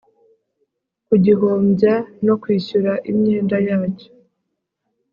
kugihombya no kwishyura imyenda yacyo